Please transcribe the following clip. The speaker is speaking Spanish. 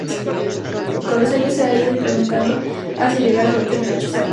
Con los años se ha ido ampliando hasta llegar a tener ocho salas.